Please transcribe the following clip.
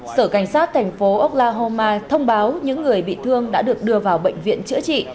sở cảnh sát thành phố oklahoma thông báo những người bị thương đã được đưa vào bệnh viện chữa trị